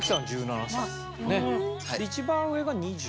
で一番上が２０。